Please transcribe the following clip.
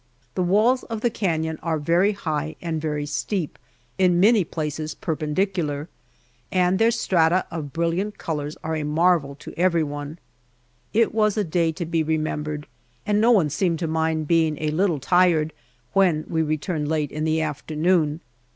The walls of the canon are very high and very steep in many places perpendicular and their strata of brilliant colors are a marvel to everyone. It was a day to be remembered, and no one seemed to mind being a little tired when we returned late in the afternoon.